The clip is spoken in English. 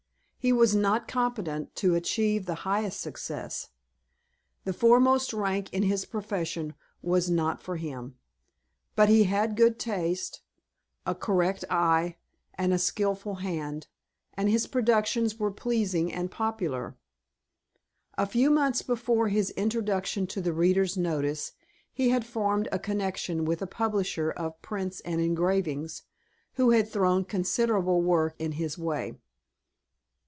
He was not competent to achieve the highest success. The foremost rank in his profession was not for him. But he had good taste, a correct eye, and a skilful hand, and his productions were pleasing and popular. A few months before his introduction to the reader's notice, he had formed a connection with a publisher of prints and engravings, who had thrown considerable work in his way.